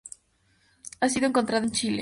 Ha sido encontrada en Chile.